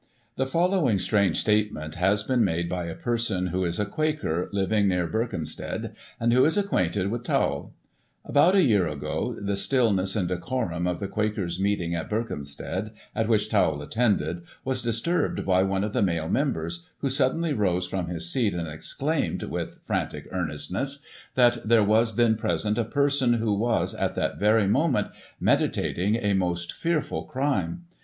— The following strange state ment has been made by a person, who is a Quaker, living near Berkhampstead, and who is acquainted with Tawell: About a yccir ago, the stillness and decorum of the Quakers* meeting at Berkhampstead, at which Tawell attended, was disturbed by one of the male members, who suddenly rose from his seat and exclaimed, with frantic earnestness, that there was then present, a person who was, at that very moment, Digiti ized by Google i84S] STATUE OF WILLIAM IV. 257 meditating a most fearful crime.